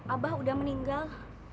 abah udah meninggal